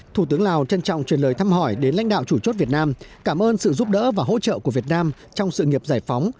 thủ tướng lào trân trọng truyền lời thăm hỏi đến lãnh đạo chủ chốt việt nam cảm ơn sự giúp đỡ và hỗ trợ của việt nam trong sự nghiệp giải phóng